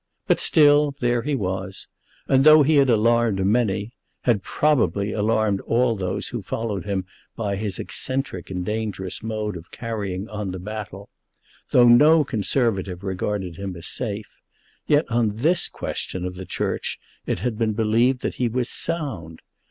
But still, there he was; and, though he had alarmed many, had, probably, alarmed all those who followed him by his eccentric and dangerous mode of carrying on the battle; though no Conservative regarded him as safe; yet on this question of the Church it had been believed that he was sound.